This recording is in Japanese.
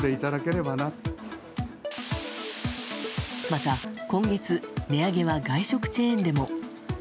また、今月値上げは外食チェーンでも。